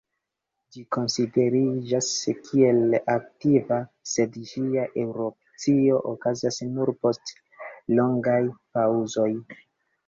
Ĝi konsideriĝas kiel aktiva, sed ĝiaj erupcioj okazas nur post longaj paŭzoj.